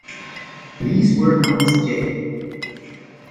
These were known as J.